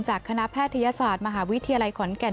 คณะแพทยศาสตร์มหาวิทยาลัยขอนแก่น